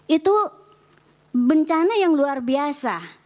itu bencana yang luar biasa